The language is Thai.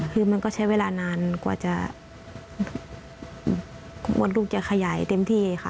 คือมันก็ใช้เวลานานกว่าจะมดลูกจะขยายเต็มที่ค่ะ